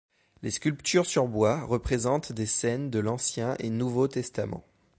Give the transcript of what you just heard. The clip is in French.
Les sculptures sur bois représentent des scènes de l'Ancien et Nouveau testament.